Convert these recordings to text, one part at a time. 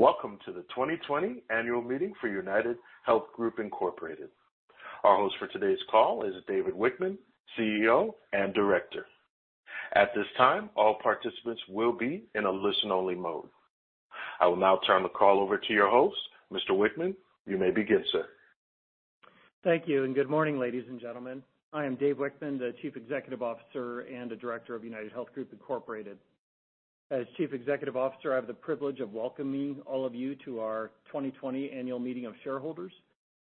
Welcome to the 2020 annual meeting for UnitedHealth Group Incorporated. Our host for today's call is David Wichmann, CEO and Director. At this time, all participants will be in a listen-only mode. I will now turn the call over to your host. Mr. Wichmann, you may begin, sir. Thank you. Good morning, ladies and gentlemen. I am Dave Wichmann, the Chief Executive Officer and a director of UnitedHealth Group Incorporated. As Chief Executive Officer, I have the privilege of welcoming all of you to our 2020 annual meeting of shareholders.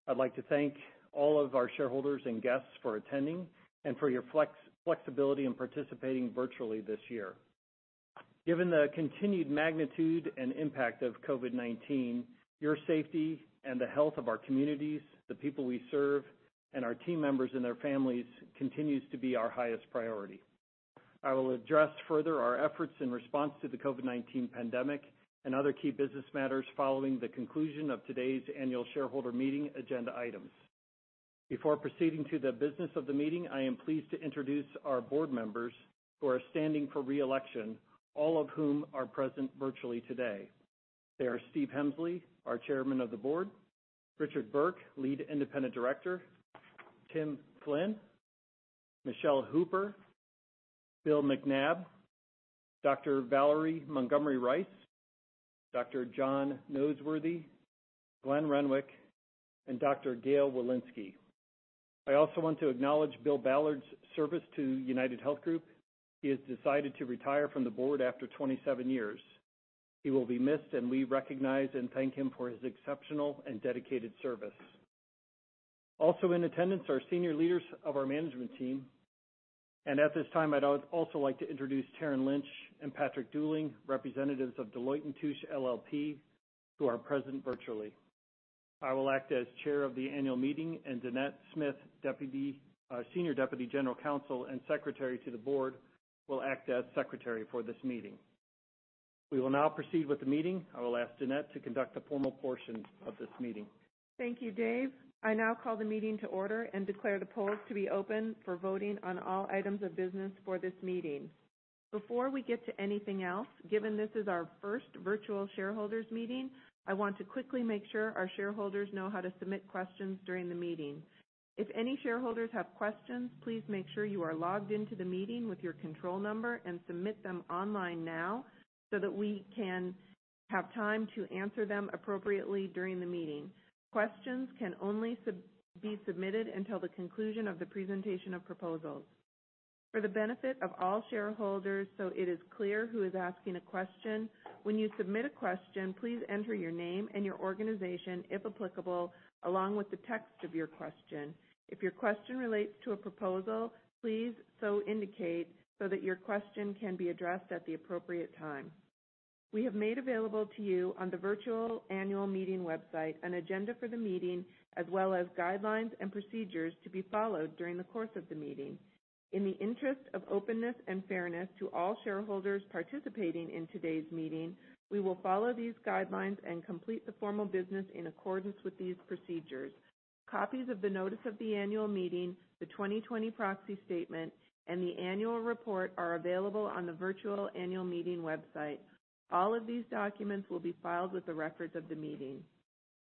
I'd like to thank all of our shareholders and guests for attending and for your flexibility in participating virtually this year. Given the continued magnitude and impact of COVID-19, your safety and the health of our communities, the people we serve, and our team members and their families continues to be our highest priority. I will address further our efforts in response to the COVID-19 pandemic and other key business matters following the conclusion of today's annual shareholder meeting agenda items. Before proceeding to the business of the meeting, I am pleased to introduce our board members who are standing for re-election, all of whom are present virtually today. They are Steve Hemsley, our Chairman of the Board, Richard Burke, Lead Independent Director, Tim Flynn, Michele Hooper, Bill McNabb, Dr. Valerie Montgomery Rice, Dr. John Noseworthy, Glenn Renwick, and Dr. Gail Wilensky. I also want to acknowledge Bill Ballard's service to UnitedHealth Group. He has decided to retire from the board after 27 years. He will be missed, and we recognize and thank him for his exceptional and dedicated service. Also in attendance are senior leaders of our management team. At this time, I'd also like to introduce Taryn Lynch and Patrick Dooling, representatives of Deloitte & Touche LLP, who are present virtually. I will act as Chair of the annual meeting, and Dannette Smith, Senior Deputy General Counsel and Secretary to the Board, will act as Secretary for this meeting. We will now proceed with the meeting. I will ask Dannette to conduct the formal portion of this meeting. Thank you, Dave. I now call the meeting to order and declare the polls to be open for voting on all items of business for this meeting. Before we get to anything else, given this is our first virtual shareholders meeting, I want to quickly make sure our shareholders know how to submit questions during the meeting. If any shareholders have questions, please make sure you are logged in to the meeting with your control number and submit them online now so that we can have time to answer them appropriately during the meeting. Questions can only be submitted until the conclusion of the presentation of proposals. For the benefit of all shareholders so it is clear who is asking a question, when you submit a question, please enter your name and your organization, if applicable, along with the text of your question. If your question relates to a proposal, please so indicate so that your question can be addressed at the appropriate time. We have made available to you on the virtual annual meeting website an agenda for the meeting as well as guidelines and procedures to be followed during the course of the meeting. In the interest of openness and fairness to all shareholders participating in today's meeting, we will follow these guidelines and complete the formal business in accordance with these procedures. Copies of the notice of the annual meeting, the 2020 proxy statement, and the annual report are available on the virtual annual meeting website. All of these documents will be filed with the records of the meeting.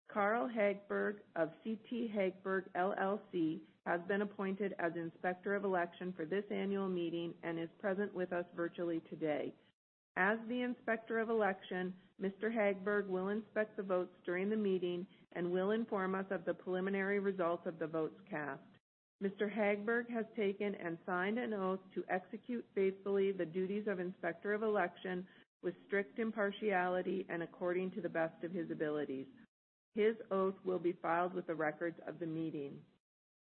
Carl Hagberg of CT Hagberg LLC has been appointed as Inspector of Election for this annual meeting and is present with us virtually today. As the Inspector of Election, Mr. Hagberg will inspect the votes during the meeting and will inform us of the preliminary results of the votes cast. Mr. Hagberg has taken and signed an oath to execute faithfully the duties of Inspector of Election with strict impartiality and according to the best of his abilities. His oath will be filed with the records of the meeting.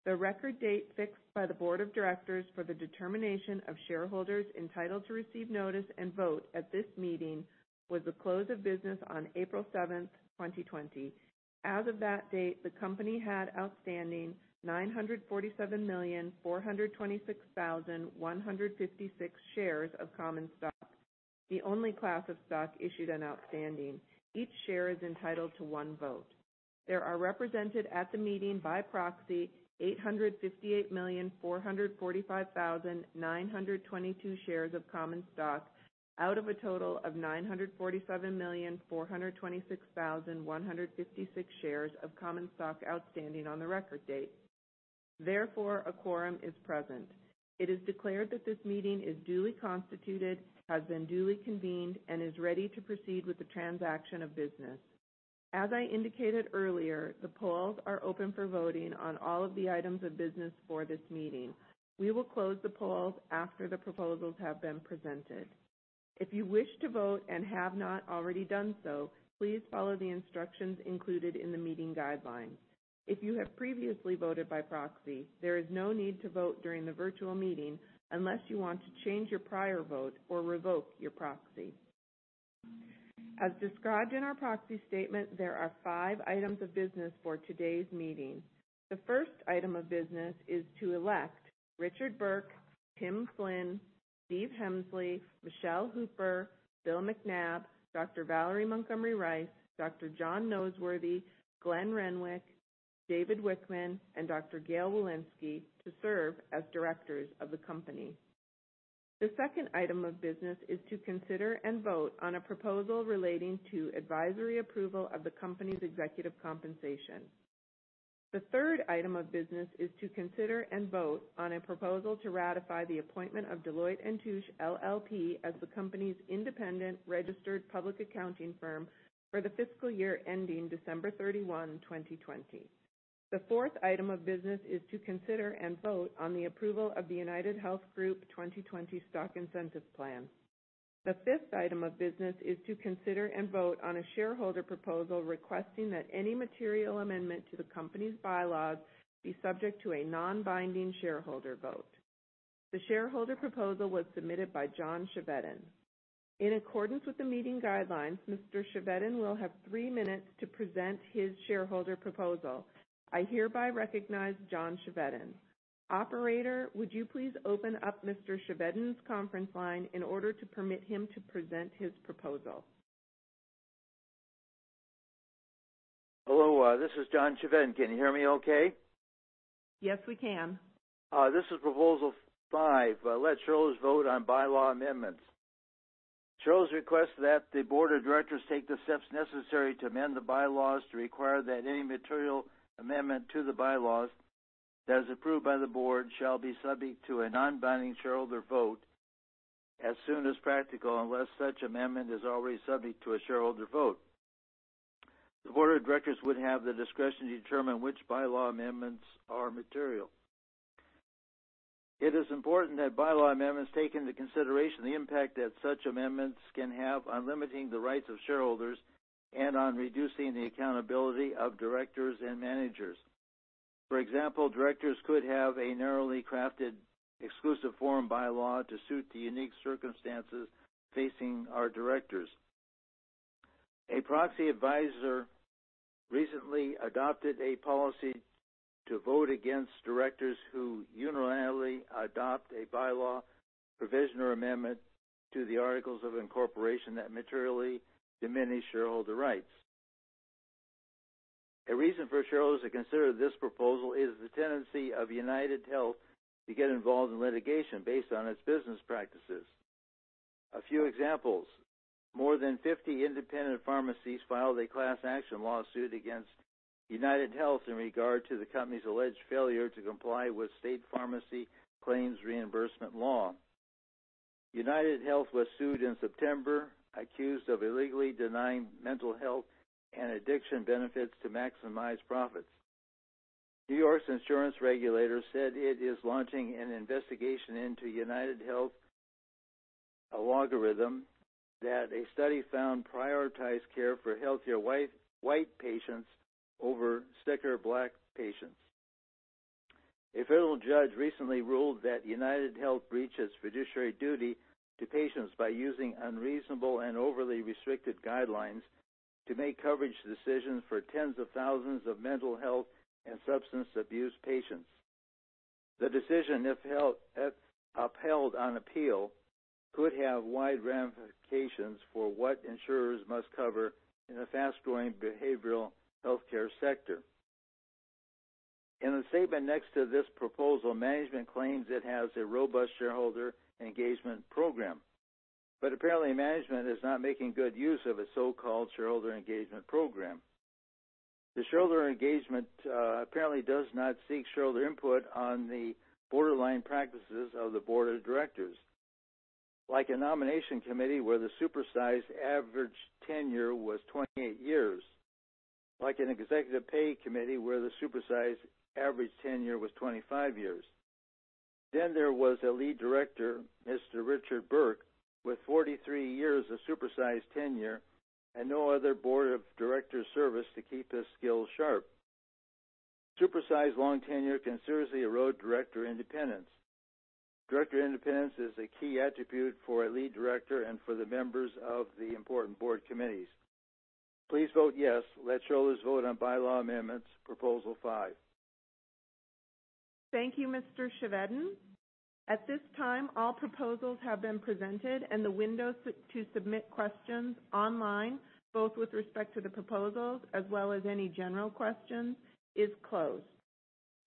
The record date fixed by the Board of Directors for the determination of shareholders entitled to receive notice and vote at this meeting was the close of business on April 7th, 2020. As of that date, the company had outstanding 947,426,156 shares of common stock, the only class of stock issued and outstanding. Each share is entitled to one vote. There are represented at the meeting by proxy 858,445,922 shares of common stock out of a total of 947,426,156 shares of common stock outstanding on the record date. Therefore, a quorum is present. It is declared that this meeting is duly constituted, has been duly convened, and is ready to proceed with the transaction of business. As I indicated earlier, the polls are open for voting on all of the items of business for this meeting. We will close the polls after the proposals have been presented. If you wish to vote and have not already done so, please follow the instructions included in the meeting guidelines. If you have previously voted by proxy, there is no need to vote during the virtual meeting unless you want to change your prior vote or revoke your proxy. As described in our proxy statement, there are five items of business for today's meeting. The first item of business is to elect Richard Burke, Tim Flynn, Steve Hemsley, Michele Hooper, Bill McNabb, Dr. Valerie Montgomery Rice, Dr. John Noseworthy, Glenn Renwick, David Wichmann, and Dr. Gail Wilensky to serve as directors of the company. The second item of business is to consider and vote on a proposal relating to advisory approval of the company's executive compensation. The third item of business is to consider and vote on a proposal to ratify the appointment of Deloitte & Touche LLP as the company's independent registered public accounting firm for the fiscal year ending December 31, 2020. The fourth item of business is to consider and vote on the approval of the UnitedHealth Group 2020 Stock Incentive Plan. The fifth item of business is to consider and vote on a shareholder proposal requesting that any material amendment to the company's bylaws be subject to a non-binding shareholder vote. The shareholder proposal was submitted by John Chevedden. In accordance with the meeting guidelines, Mr. Chevedden will have three minutes to present his shareholder proposal. I hereby recognize John Chevedden. Operator, would you please open up Mr. Chevedden's conference line in order to permit him to present his proposal? Hello, this is John Chevedden. Can you hear me okay? Yes, we can. This is Proposal five, let shareholders vote on bylaw amendments. Shareholders request that the board of directors take the steps necessary to amend the bylaws to require that any material amendment to the bylaws, that is approved by the board, shall be subject to a non-binding shareholder vote as soon as practical, unless such amendment is already subject to a shareholder vote. The board of directors would have the discretion to determine which bylaw amendments are material. It is important that bylaw amendments take into consideration the impact that such amendments can have on limiting the rights of shareholders and on reducing the accountability of directors and managers. For example, directors could have a narrowly crafted exclusive forum bylaw to suit the unique circumstances facing our directors. A proxy advisor recently adopted a policy to vote against directors who unilaterally adopt a bylaw provision or amendment to the articles of incorporation that materially diminish shareholder rights. A reason for shareholders to consider this proposal is the tendency of UnitedHealth to get involved in litigation based on its business practices. A few examples, more than 50 independent pharmacies filed a class action lawsuit against UnitedHealth in regard to the company's alleged failure to comply with state pharmacy claims reimbursement law. UnitedHealth was sued in September, accused of illegally denying mental health and addiction benefits to maximize profits. New York's insurance regulators said it is launching an investigation into UnitedHealth, an algorithm that a study found prioritize care for healthier White patients over sicker Black patients. A federal judge recently ruled that UnitedHealth breached its fiduciary duty to patients by using unreasonable and overly restrictive guidelines to make coverage decisions for tens of thousands of mental health and substance abuse patients. The decision, if upheld on appeal, could have wide ramifications for what insurers must cover in the fast-growing behavioral healthcare sector. In a statement next to this proposal, management claims it has a robust shareholder engagement program. Apparently, management is not making good use of a so-called shareholder engagement program. The shareholder engagement apparently does not seek shareholder input on the borderline practices of the board of directors, like a nomination committee where the supersized average tenure was 28 years. Like an executive pay committee where the supersized average tenure was 25 years. There was a lead director, Mr. Richard Burke, with 43 years of supersized tenure and no other board of director service to keep his skills sharp. Supersized long tenure can seriously erode director independence. Director independence is a key attribute for a lead director and for the members of the important board committees. Please vote yes. Let shareholders vote on bylaw amendments, Proposal five. Thank you, Mr. Chevedden. At this time, all proposals have been presented and the window to submit questions online, both with respect to the proposals as well as any general questions, is closed.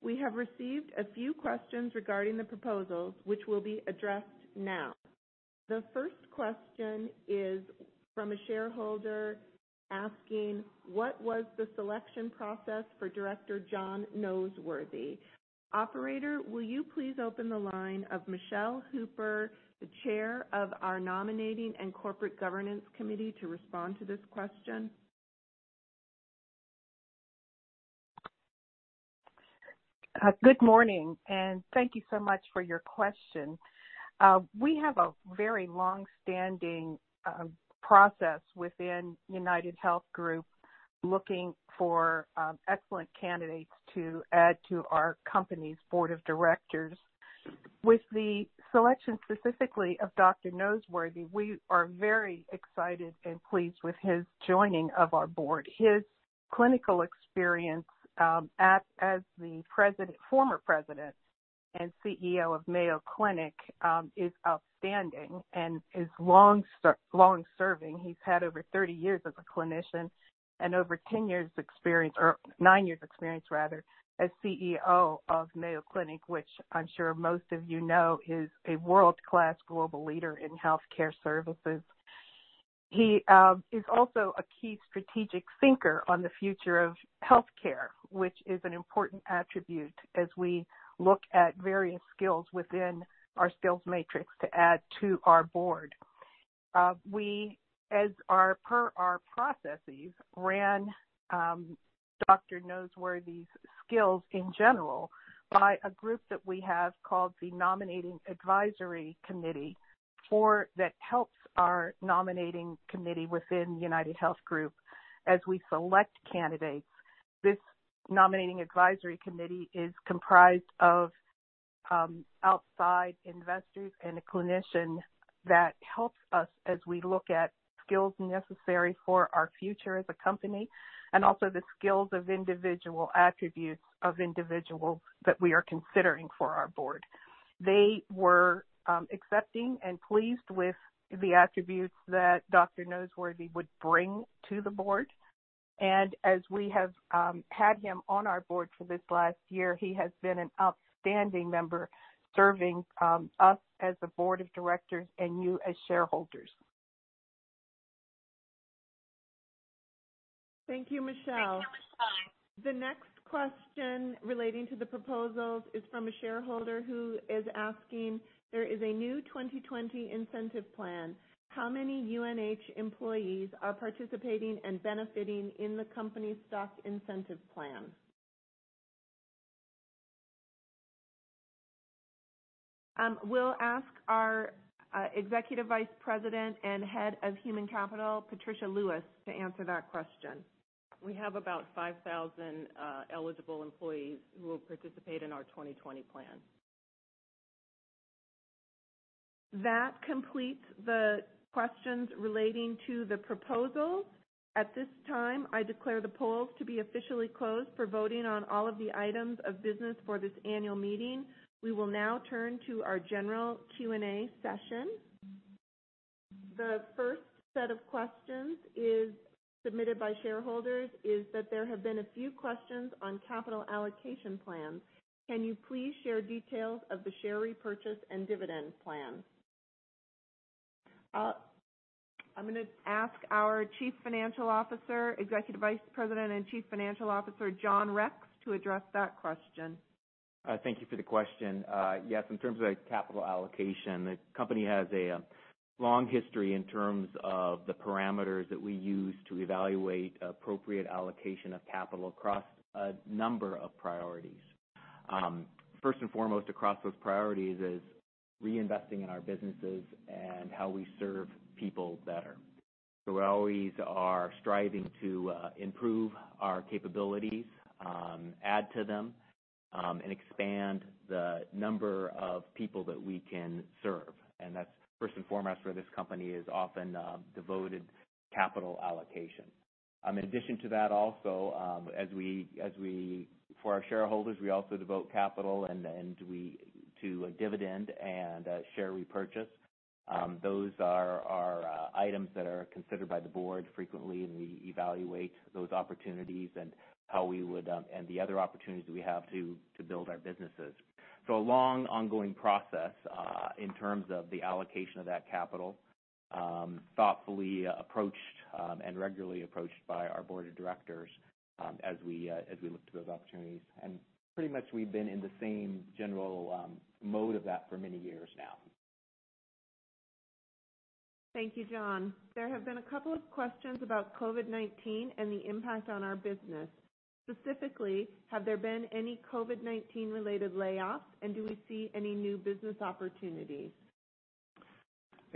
We have received a few questions regarding the proposals, which will be addressed now. The first question is from a shareholder asking, what was the selection process for Dr. John Noseworthy? Operator, will you please open the line of Michele Hooper, the chair of our nominating and corporate governance committee, to respond to this question? Good morning. Thank you so much for your question. We have a very long-standing process within UnitedHealth Group looking for excellent candidates to add to our company's board of directors. With the selection specifically of Dr. Noseworthy, we are very excited and pleased with his joining of our board. His clinical experience as the former President and CEO of Mayo Clinic is outstanding and is long-serving. He's had over 30 years as a clinician and over 10 years experience, or nine years experience rather, as CEO of Mayo Clinic, which I'm sure most of you know is a world-class global leader in healthcare services. He is also a key strategic thinker on the future of healthcare, which is an important attribute as we look at various skills within our skills matrix to add to our board. We, as per our processes, ran Dr. Noseworthy's skills in general by a group that we have called the Nominating Advisory Committee, that helps our Nominating Advisory Committee within UnitedHealth Group as we select candidates. This Nominating Advisory Committee is comprised of outside investors and a clinician that helps us as we look at skills necessary for our future as a company, and also the skills of individual attributes of individuals that we are considering for our board. They were accepting and pleased with the attributes that Dr. Noseworthy would bring to the board. As we have had him on our board for this last year, he has been an outstanding member, serving us as a board of directors and you as shareholders. Thank you, Michele. The next question relating to the proposals is from a shareholder who is asking, "There is a new 2020 Incentive Plan. How many UNH employees are participating and benefiting in the company's Stock Incentive Plan?" We'll ask our Executive Vice President and Head of Human Capital, Patricia Lewis, to answer that question. We have about 5,000 eligible employees who will participate in our 2020 Plan. That completes the questions relating to the proposals. At this time, I declare the polls to be officially closed for voting on all of the items of business for this annual meeting. We will now turn to our general Q&A session. The first set of questions submitted by shareholders is that there have been a few questions on capital allocation plans. Can you please share details of the share repurchase and dividend plan? I'm going to ask our Chief Financial Officer, Executive Vice President and Chief Financial Officer, John Rex, to address that question. Thank you for the question. Yes, in terms of capital allocation, the company has a long history in terms of the parameters that we use to evaluate appropriate allocation of capital across a number of priorities. First and foremost across those priorities is reinvesting in our businesses and how we serve people better. We always are striving to improve our capabilities, add to them, and expand the number of people that we can serve. That first and foremost for this company is often devoted capital allocation. In addition to that also, for our shareholders, we also devote capital to a dividend and share repurchase. Those are our items that are considered by the board frequently, and we evaluate those opportunities and the other opportunities that we have to build our businesses. A long, ongoing process in terms of the allocation of that capital, thoughtfully approached and regularly approached by our board of directors as we look to those opportunities. Pretty much we've been in the same general mode of that for many years now. Thank you, John. There have been a couple of questions about COVID-19 and the impact on our business. Specifically, have there been any COVID-19 related layoffs, and do we see any new business opportunities?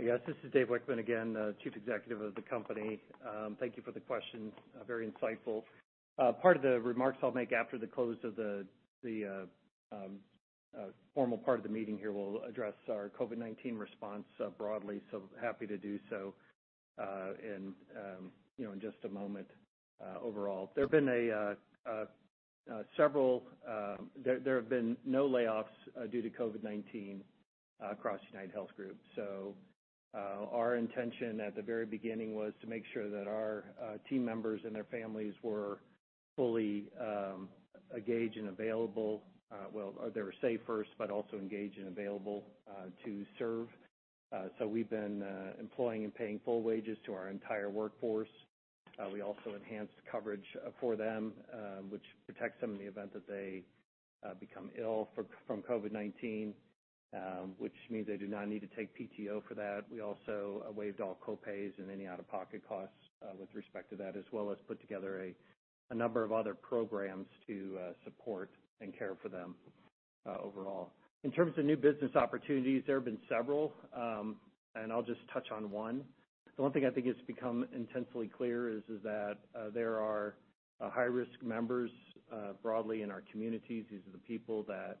Yes, this is David Wichmann again, Chief Executive of the company. Thank you for the question, very insightful. Part of the remarks I'll make after the close of the formal part of the meeting here will address our COVID-19 response broadly, happy to do so in just a moment overall. There have been no layoffs due to COVID-19 across UnitedHealth Group. Our intention at the very beginning was to make sure that our team members and their families were fully engaged and available. Well, they were safe first, but also engaged and available to serve. We've been employing and paying full wages to our entire workforce. We also enhanced coverage for them, which protects them in the event that they become ill from COVID-19, which means they do not need to take PTO for that. We also waived all co-pays and any out-of-pocket costs with respect to that, as well as put together a number of other programs to support and care for them overall. In terms of new business opportunities, there have been several, and I'll just touch on one. The one thing I think it's become intensely clear is that there are high-risk members broadly in our communities. These are the people that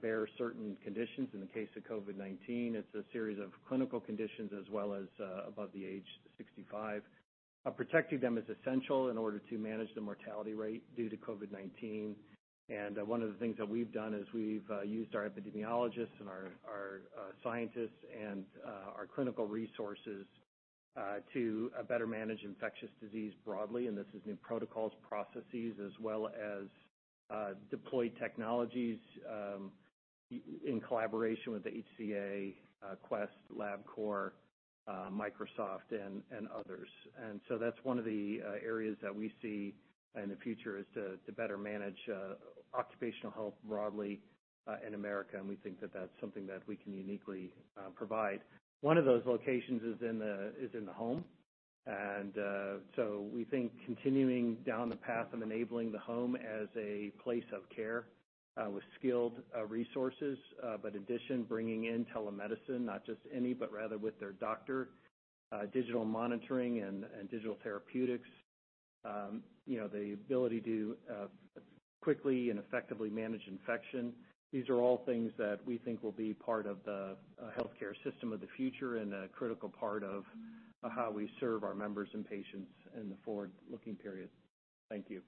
bear certain conditions. In the case of COVID-19, it's a series of clinical conditions as well as above the age 65. Protecting them is essential in order to manage the mortality rate due to COVID-19. One of the things that we've done is we've used our epidemiologists and our scientists and our clinical resources to better manage infectious disease broadly, and this is new protocols, processes, as well as deployed technologies, in collaboration with HCA, Quest, LabCorp, Microsoft, and others. That's one of the areas that we see in the future is to better manage occupational health broadly in America, and we think that that's something that we can uniquely provide. One of those locations is in the home. We think continuing down the path of enabling the home as a place of care with skilled resources but addition bringing in telemedicine, not just any, but rather with their doctor, digital monitoring and digital therapeutics, the ability to quickly and effectively manage infection. These are all things that we think will be part of the healthcare system of the future and a critical part of how we serve our members and patients in the forward-looking period. Thank you.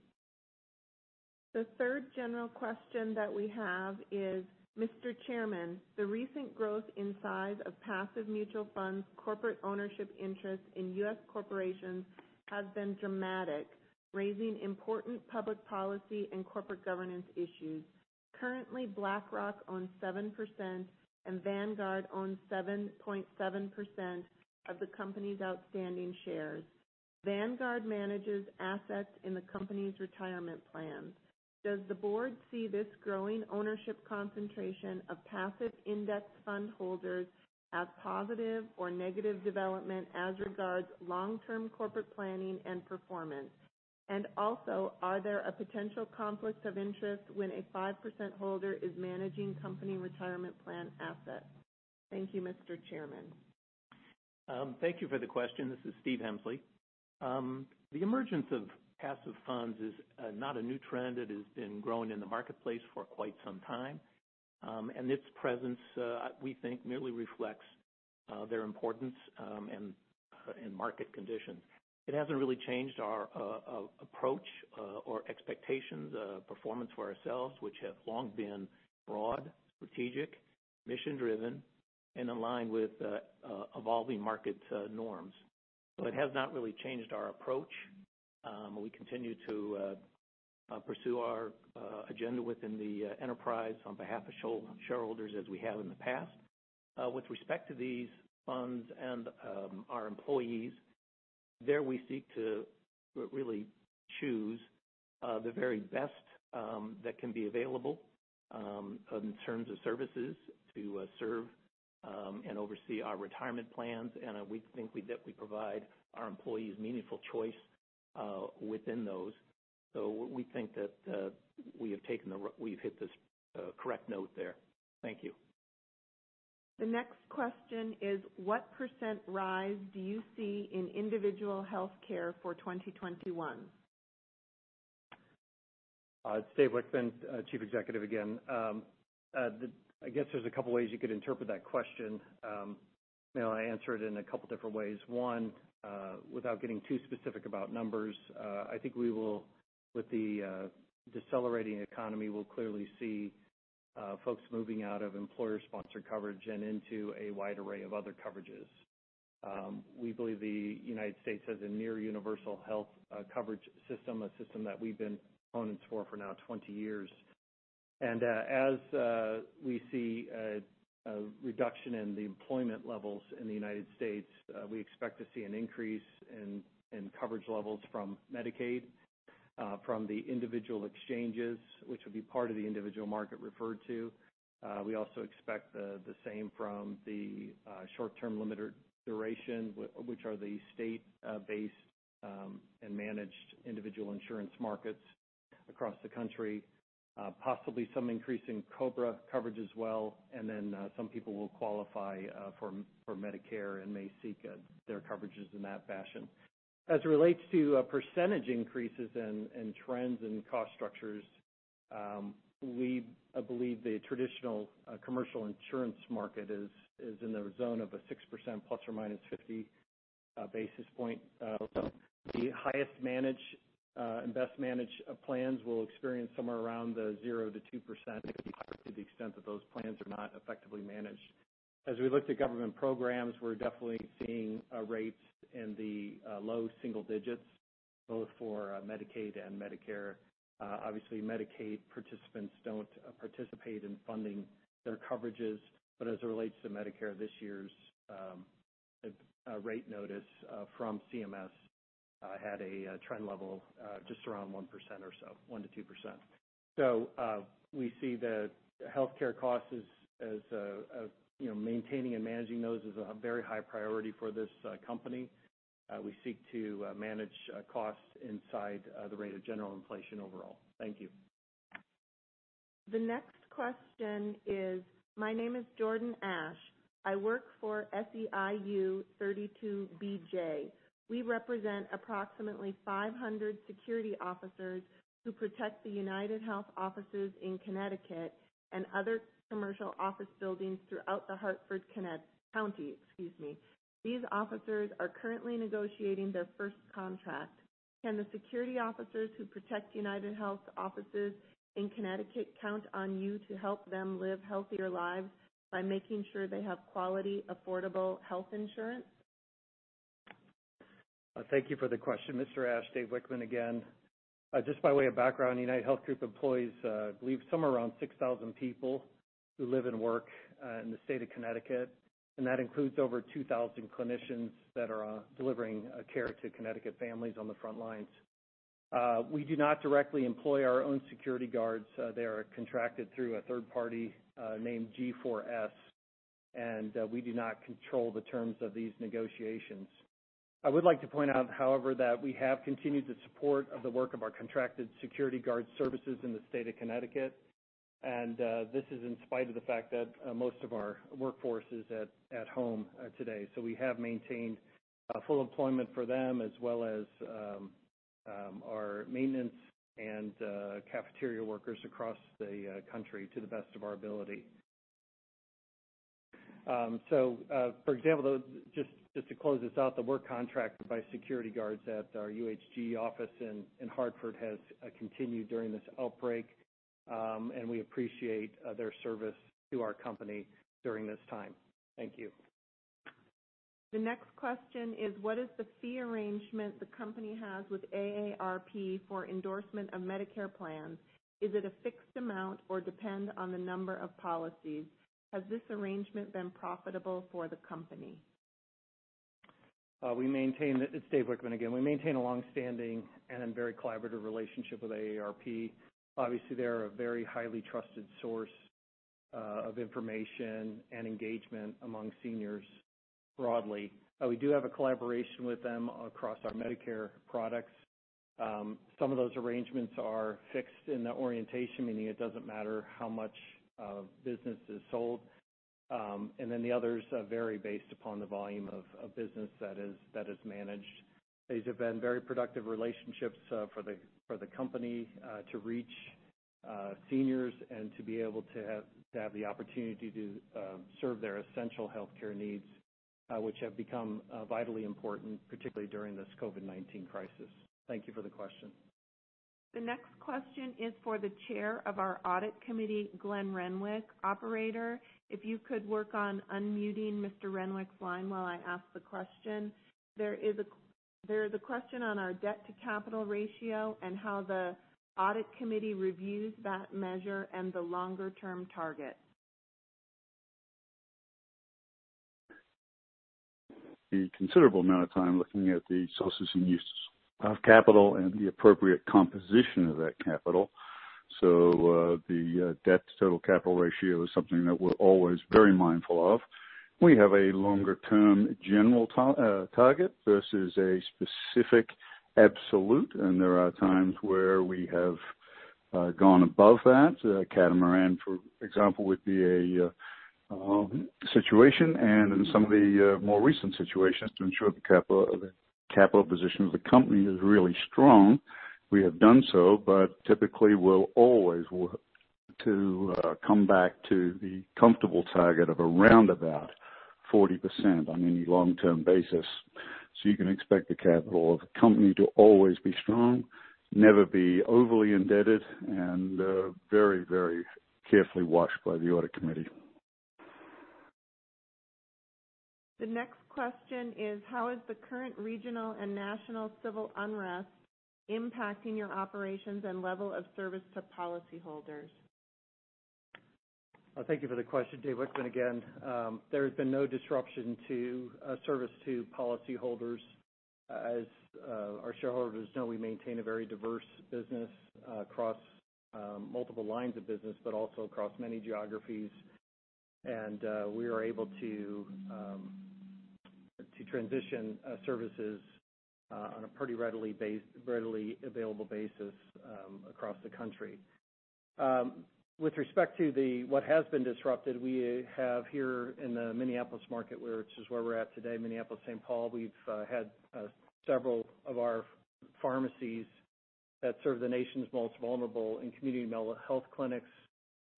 The third general question that we have is, Mr. Chairman, the recent growth in size of passive mutual funds, corporate ownership interest in U.S. corporations, has been dramatic, raising important public policy and corporate governance issues. Currently, BlackRock owns 7% and Vanguard owns 7.7% of the company's outstanding shares. Vanguard manages assets in the company's retirement plans. Does the board see this growing ownership concentration of passive index fund holders as positive or negative development as regards long-term corporate planning and performance? Also, are there a potential conflict of interest when a 5% holder is managing company retirement plan assets? Thank you, Mr. Chairman. Thank you for the question. This is Steve Hemsley. The emergence of passive funds is not a new trend. It has been growing in the marketplace for quite some time. Its presence, we think, merely reflects their importance in market conditions. It hasn't really changed our approach or expectations of performance for ourselves, which have long been broad, strategic, mission-driven, and aligned with evolving market norms. It has not really changed our approach. We continue to pursue our agenda within the enterprise on behalf of shareholders as we have in the past. With respect to these funds and our employees, there we seek to really choose the very best that can be available in terms of services to serve and oversee our retirement plans, and we think that we provide our employees meaningful choice within those. We think that we've hit this correct note there. Thank you. The next question is what percent rise do you see in individual healthcare for 2021? It's Dave Wichmann, Chief Executive, again. I guess there's a couple ways you could interpret that question. I'll answer it in a couple different ways. One, without getting too specific about numbers, I think with the decelerating economy, we'll clearly see folks moving out of employer-sponsored coverage and into a wide array of other coverages. We believe the United States has a near universal health coverage system, a system that we've been proponents for now 20 years. As we see a reduction in the employment levels in the United States, we expect to see an increase in coverage levels from Medicaid, from the individual exchanges, which would be part of the individual market referred to. We also expect the same from the short-term limited duration, which are the state-based and managed individual insurance markets across the country. Possibly some increase in COBRA coverage as well, some people will qualify for Medicare and may seek their coverages in that fashion. As it relates to percentage increases and trends in cost structures, we believe the traditional commercial insurance market is in the zone of a 6% plus or minus 50 basis points. The highest managed and best-managed plans will experience somewhere around 0%-2%, it could be higher to the extent that those plans are not effectively managed. As we look to government programs, we're definitely seeing rates in the low single digits, both for Medicaid and Medicare. Obviously, Medicaid participants don't participate in funding their coverages, as it relates to Medicare, this year's rate notice from CMS had a trend level just around 1% or so, 1%-2%. We see the healthcare costs as maintaining and managing those is a very high priority for this company. We seek to manage costs inside the rate of general inflation overall. Thank you. The next question is, my name is Jordan Ash. I work for SEIU 32BJ. We represent approximately 500 security officers who protect the UnitedHealth offices in Connecticut and other commercial office buildings throughout the Hartford, Connecticut county. Excuse me. These officers are currently negotiating their first contract. Can the security officers who protect UnitedHealth offices in Connecticut count on you to help them live healthier lives by making sure they have quality, affordable health insurance? Thank you for the question, Mr. Ash. Dave Wichmann again. Just by way of background, UnitedHealth Group employees, I believe somewhere around 6,000 people who live and work in the state of Connecticut, and that includes over 2,000 clinicians that are delivering care to Connecticut families on the front lines. We do not directly employ our own security guards. They are contracted through a third party named G4S, and we do not control the terms of these negotiations. I would like to point out, however, that we have continued the support of the work of our contracted security guard services in the state of Connecticut, and this is in spite of the fact that most of our workforce is at home today. We have maintained full employment for them, as well as our maintenance and cafeteria workers across the country to the best of our ability. For example, just to close this out, the work contract by security guards at our UHG office in Hartford has continued during this outbreak. We appreciate their service to our company during this time. Thank you. The next question is: What is the fee arrangement the company has with AARP for endorsement of Medicare plans? Is it a fixed amount or depend on the number of policies? Has this arrangement been profitable for the company? It's Dave Wichmann again. We maintain a longstanding and a very collaborative relationship with AARP. Obviously, they're a very highly trusted source of information and engagement among seniors broadly. We do have a collaboration with them across our Medicare products. Some of those arrangements are fixed in the orientation, meaning it doesn't matter how much business is sold. The others vary based upon the volume of business that is managed. These have been very productive relationships for the company to reach seniors and to be able to have the opportunity to serve their essential healthcare needs, which have become vitally important, particularly during this COVID-19 crisis. Thank you for the question. The next question is for the chair of our Audit Committee, Glenn Renwick. Operator, if you could work on unmuting Mr. Renwick's line while I ask the question. There is a question on our debt to capital ratio and how the Audit Committee reviews that measure and the longer-term target. A considerable amount of time looking at the sources and uses of capital and the appropriate composition of that capital. The debt to total capital ratio is something that we're always very mindful of. We have a longer-term general target versus a specific absolute, and there are times where we have gone above that. Catamaran, for example, would be a situation. In some of the more recent situations to ensure the capital position of the company is really strong. We have done so, but typically we'll always work to come back to the comfortable target of around about 40% on any long-term basis. You can expect the capital of the company to always be strong, never be overly indebted, and very carefully watched by the audit committee. The next question is: How is the current regional and national civil unrest impacting your operations and level of service to policyholders? Thank you for the question. Dave Wichmann again. There has been no disruption to service to policyholders. As our shareholders know, we maintain a very diverse business across multiple lines of business, but also across many geographies. We are able to transition services on a pretty readily available basis across the country. With respect to what has been disrupted, we have here in the Minneapolis market, which is where we're at today, Minneapolis-St. Paul, we've had several of our pharmacies that serve the nation's most vulnerable in community mental health clinics,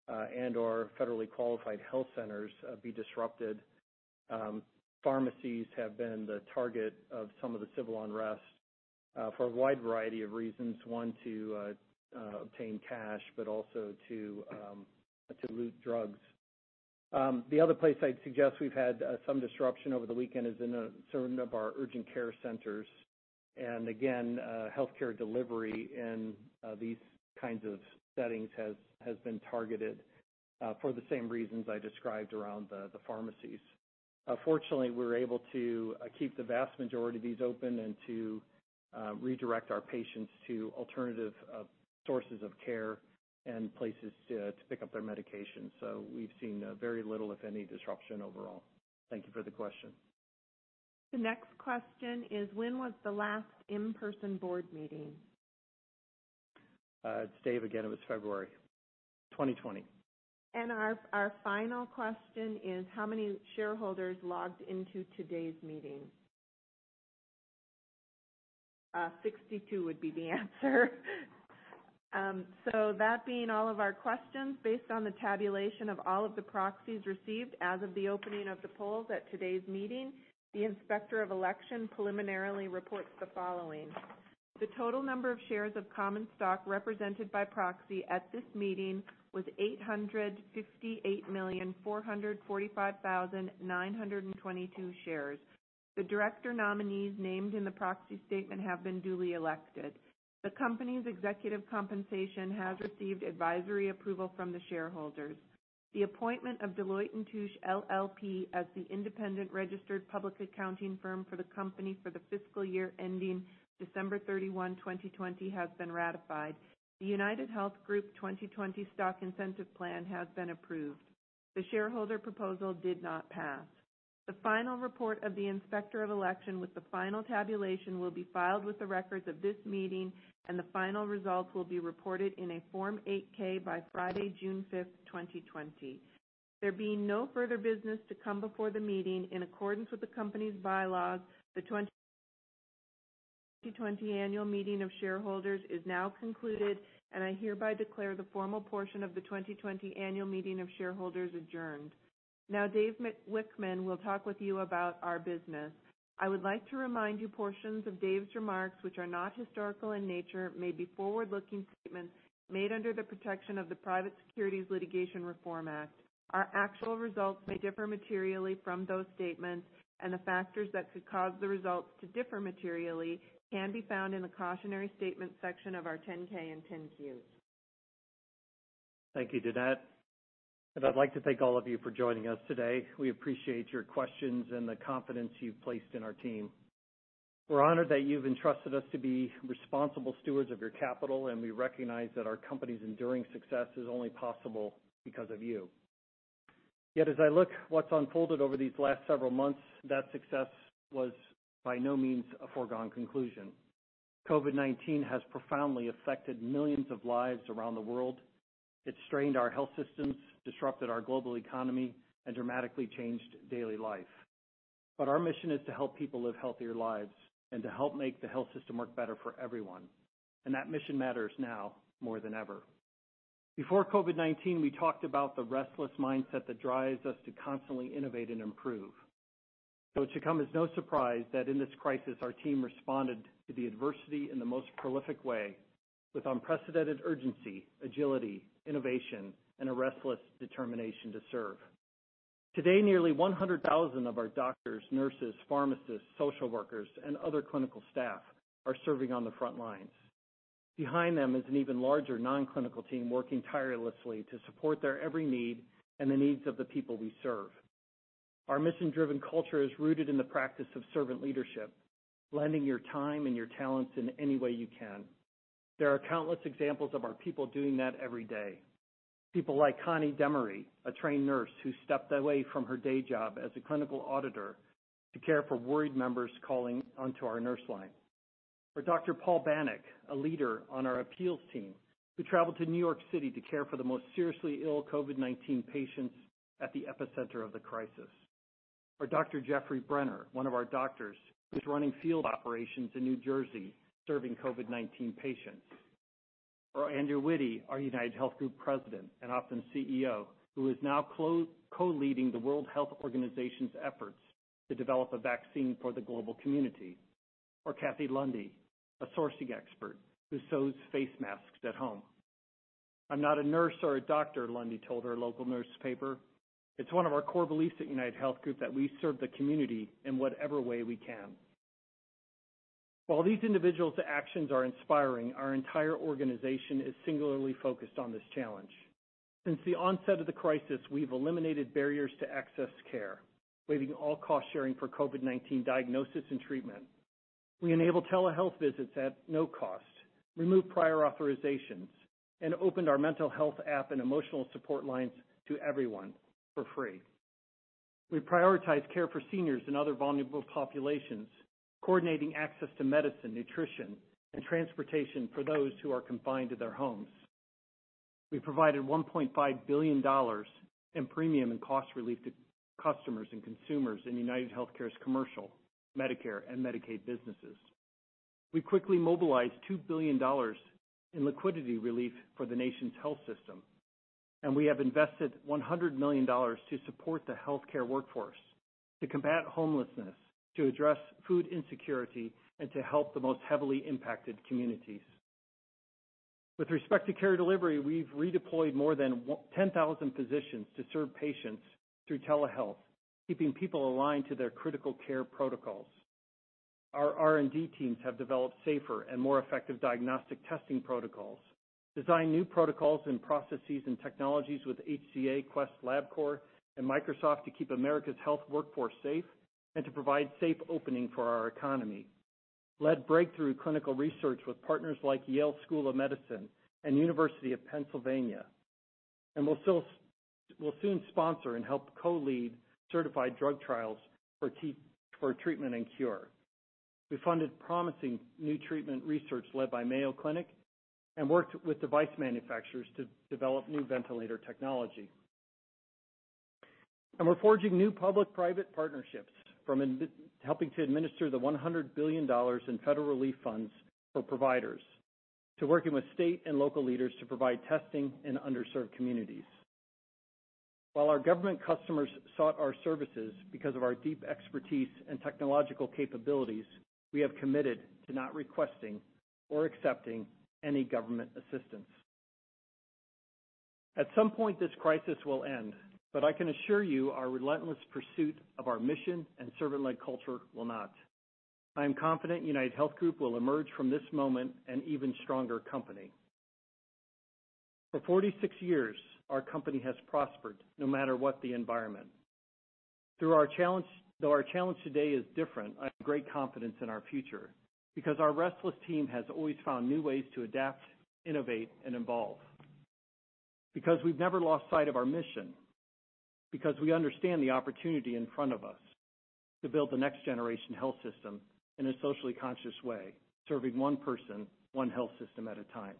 and/or federally qualified health centers be disrupted. Pharmacies have been the target of some of the civil unrest for a wide variety of reasons. One, to obtain cash, but also to loot drugs. The other place I'd suggest we've had some disruption over the weekend is in some of our urgent care centers. Again, healthcare delivery in these kinds of settings has been targeted for the same reasons I described around the pharmacies. Fortunately, we were able to keep the vast majority of these open and to redirect our patients to alternative sources of care and places to pick up their medication. We've seen very little, if any, disruption overall. Thank you for the question. The next question is: When was the last in-person board meeting? It's Dave again. It was February 2020. Our final question is: How many shareholders logged into today's meeting? 62 would be the answer. That being all of our questions, based on the tabulation of all of the proxies received as of the opening of the polls at today's meeting, the Inspector of Election preliminarily reports the following. The total number of shares of common stock represented by proxy at this meeting was 858,445,922 shares. The director nominees named in the proxy statement have been duly elected. The company's executive compensation has received advisory approval from the shareholders. The appointment of Deloitte & Touche LLP as the independent registered public accounting firm for the company for the fiscal year ending December 31, 2020, has been ratified. The UnitedHealth Group 2020 Stock Incentive Plan has been approved. The shareholder proposal did not pass. The final report of the inspector of election with the final tabulation will be filed with the records of this meeting, and the final results will be reported in a Form 8-K by Friday, June 5th, 2020. There being no further business to come before the meeting, in accordance with the company's bylaws, the 2020 annual meeting of shareholders is now concluded, and I hereby declare the formal portion of the 2020 annual meeting of shareholders adjourned. Now David Wichmann will talk with you about our business. I would like to remind you portions of Dave's remarks, which are not historical in nature, may be forward-looking statements made under the protection of the Private Securities Litigation Reform Act. Our actual results may differ materially from those statements. The factors that could cause the results to differ materially can be found in the cautionary statement section of our 10-K and 10-Q. Thank you, Dannette. I'd like to thank all of you for joining us today. We appreciate your questions and the confidence you've placed in our team. We're honored that you've entrusted us to be responsible stewards of your capital, and we recognize that our company's enduring success is only possible because of you. Yet, as I look what's unfolded over these last several months, that success was by no means a foregone conclusion. COVID-19 has profoundly affected millions of lives around the world. It strained our health systems, disrupted our global economy, and dramatically changed daily life. Our mission is to help people live healthier lives and to help make the health system work better for everyone. That mission matters now more than ever. Before COVID-19, we talked about the restless mindset that drives us to constantly innovate and improve. It should come as no surprise that in this crisis, our team responded to the adversity in the most prolific way with unprecedented urgency, agility, innovation, and a restless determination to serve. Today, nearly 100,000 of our doctors, nurses, pharmacists, social workers, and other clinical staff are serving on the front lines. Behind them is an even larger non-clinical team working tirelessly to support their every need and the needs of the people we serve. Our mission-driven culture is rooted in the practice of servant leadership, lending your time and your talents in any way you can. There are countless examples of our people doing that every day. People like Connie Demery, a trained nurse who stepped away from her day job as a clinical auditor to care for worried members calling onto our nurse line. Dr. Paul Banick, a leader on our appeals team, who traveled to New York City to care for the most seriously ill COVID-19 patients at the epicenter of the crisis. Dr. Jeffrey Brenner, one of our doctors, who's running field operations in New Jersey serving COVID-19 patients. Andrew Witty, our UnitedHealth Group President and Optum CEO, who is now co-leading the World Health Organization's efforts to develop a vaccine for the global community. Kathy Lundy, a sourcing expert who sews face masks at home. "I'm not a nurse or a doctor," Lundy told her local newspaper. It's one of our core beliefs at UnitedHealth Group that we serve the community in whatever way we can. While these individuals' actions are inspiring, our entire organization is singularly focused on this challenge. Since the onset of the crisis, we've eliminated barriers to access care, waiving all cost-sharing for COVID-19 diagnosis and treatment. We enabled telehealth visits at no cost, removed prior authorizations, and opened our mental health app and emotional support lines to everyone for free. We prioritize care for seniors and other vulnerable populations, coordinating access to medicine, nutrition, and transportation for those who are confined to their homes. We provided $1.5 billion in premium and cost relief to customers and consumers in UnitedHealthcare's commercial Medicare and Medicaid businesses. We quickly mobilized $2 billion in liquidity relief for the nation's health system, and we have invested $100 million to support the healthcare workforce, to combat homelessness, to address food insecurity, and to help the most heavily impacted communities. With respect to care delivery, we've redeployed more than 10,000 physicians to serve patients through telehealth, keeping people aligned to their critical care protocols. Our R&D teams have developed safer and more effective diagnostic testing protocols, designed new protocols and processes and technologies with HCA, Quest, LabCorp, and Microsoft to keep America's health workforce safe and to provide safe opening for our economy. Will soon sponsor and help co-lead certified drug trials for treatment and cure. We funded promising new treatment research led by Mayo Clinic and worked with device manufacturers to develop new ventilator technology. We're forging new public-private partnerships from helping to administer the $100 billion in federal relief funds for providers to working with state and local leaders to provide testing in underserved communities. While our government customers sought our services because of our deep expertise and technological capabilities, we have committed to not requesting or accepting any government assistance. At some point, this crisis will end, but I can assure you, our relentless pursuit of our mission and servant-led culture will not. I am confident UnitedHealth Group will emerge from this moment an even stronger company. For 46 years, our company has prospered no matter what the environment. Though our challenge today is different, I have great confidence in our future because our restless team has always found new ways to adapt, innovate, and evolve, because we've never lost sight of our mission, because we understand the opportunity in front of us to build the next generation health system in a socially conscious way, serving one person, one health system at a time.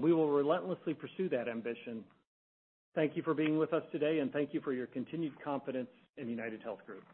We will relentlessly pursue that ambition. Thank you for being with us today, and thank you for your continued confidence in UnitedHealth Group.